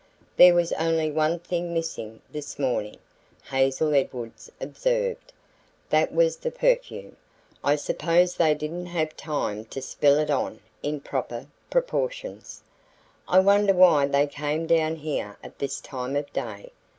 "There was only one thing missing this morning," Hazel Edwards observed. "That was the perfume. I suppose they didn't have time to spill it on in proper proportions." "I wonder why they came down here at this time of day?"